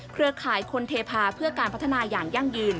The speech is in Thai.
เครือข่ายคนเทพาเพื่อการพัฒนาอย่างยั่งยืน